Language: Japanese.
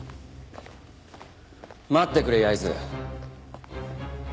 待ってくれ焼津。